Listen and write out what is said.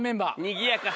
にぎやか。